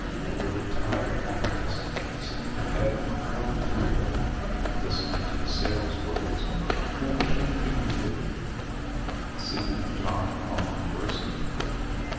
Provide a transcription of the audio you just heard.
A little tide of happiness seemed to ebb and flow through her in listening to the sailor's words, moving her figure with it. The seaman and John went on conversing.